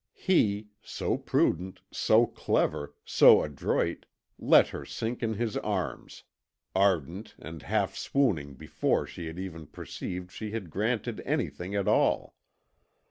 He so prudent, so clever, so adroit, let her sink in his arms, ardent and half swooning before she had even perceived she had granted anything at all.